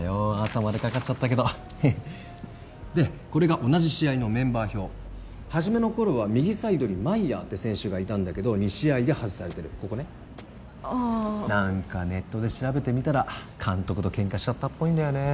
朝までかかっちゃったけどでこれが同じ試合のメンバー表はじめの頃は右サイドにマイヤーって選手がいたんだけど２試合で外されてるここねああなんかネットで調べてみたら監督とケンカしちゃったっぽいんだよね